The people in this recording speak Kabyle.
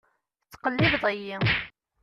Tetttqellibeḍ-iyi.